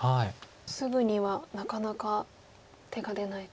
すぐにはなかなか手が出ないと。